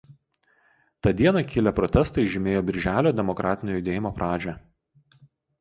Tą dieną kilę protestai žymėjo Birželio demokratinio judėjimo pradžią.